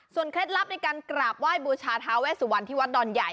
เคล็ดลับในการกราบไหว้บูชาทาเวสุวรรณที่วัดดอนใหญ่